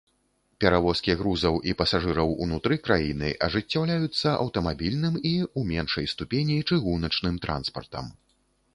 Перавозкі грузаў і пасажыраў унутры краіны ажыццяўляюцца аўтамабільным і, у меншай ступені, чыгуначным транспартам.